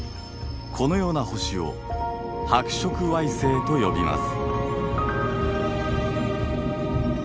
このような星を白色矮星と呼びます。